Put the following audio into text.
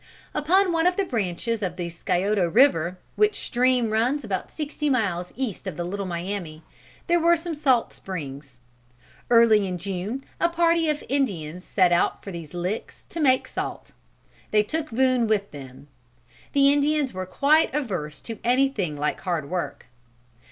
Upon one of the branches of the Scioto river, which stream runs about sixty miles east of the Little Miami, there were some salt springs. Early in June a party of the Indians set out for these "Licks" to make salt. They took Boone with them. The Indians were quite averse to anything like hard work.